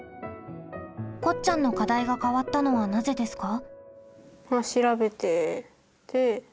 こっちゃんの課題が変わったのはなぜですか？